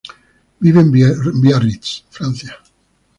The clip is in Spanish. Vive en Biarritz, Francia.